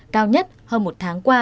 cao nhất hơn một tháng qua